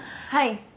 はい。